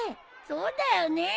そうだよね。